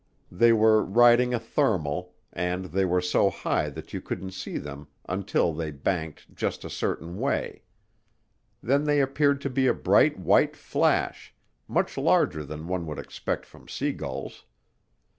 They were "riding a thermal," and they were so high that you couldn't see them until they banked just a certain way; then they appeared to be a bright white flash, much larger than one would expect from sea gulls.